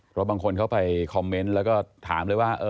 เพราะบางคนเขาไปคอมเมนต์แล้วก็ถามเลยว่า